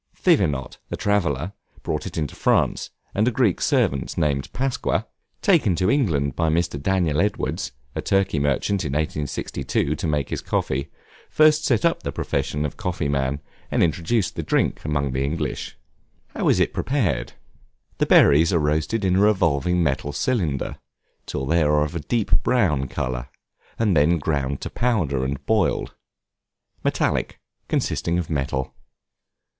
Thevenot, the traveller, brought it into France, and a Greek servant named Pasqua (taken to England by Mr. Daniel Edwards, a Turkey merchant, in 1652, to make his coffee,) first set up the profession of coffee man, and introduced the drink among the English. How is it prepared? The berries are roasted in a revolving metallic cylinder, till they are of a deep brown color, and then ground to powder, and boiled. Metallic, consisting of metal.